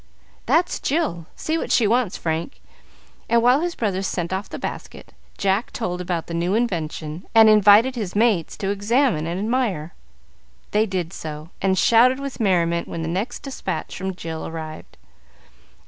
"That's Jill; see what she wants, Frank;" and while his brother sent off the basket, Jack told about the new invention, and invited his mates to examine and admire. They did so, and shouted with merriment when the next despatch from Jill arrived.